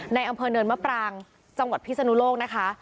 ในอำเภอเนินมะปรางจังหวัดพิศนุโลกนะคะ